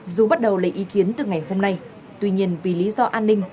dù bắt đầu lấy ý kiến từ ngày hôm nay tuy nhiên vì lý do an ninh